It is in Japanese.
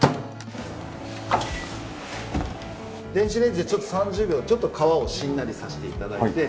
電子レンジで３０秒ちょっと皮をしんなりさせていただいて。